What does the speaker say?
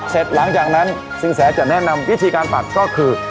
หลังจากนั้นสินแสจะแนะนำวิธีการปักก็คือ